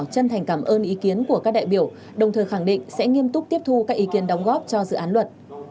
chân thành cảm ơn ý kiến của các đại biểu đồng thời khẳng định sẽ nghiêm túc tiếp thu các ý kiến đóng góp cho dự án luật